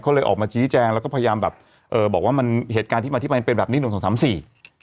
เขาเลยออกมาชี้แจงแล้วก็พยายามแบบเอ่อบอกว่ามันเหตุการณ์ที่มาที่มันเป็นแบบนี้หนึ่งสองสามสี่